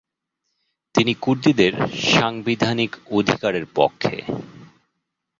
তিনি কুর্দিদের সাংবিধানিক অধিকারের পক্ষে।